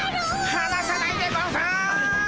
はなさないでゴンス！